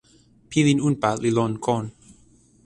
pilin unpa li lon kon.